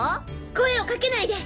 声をかけないで。